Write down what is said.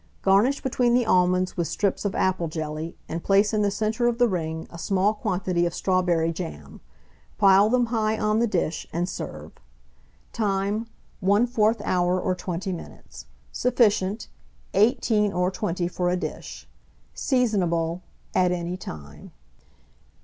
Garnish between the almonds with strips of apple jelly, and place in the centre of the ring a small quantity of strawberry jam; pile them high on the dish, and serve. Time. 1/4 hour or 20 minutes. Sufficient. 18 or 20 for a dish. Seasonable at any time.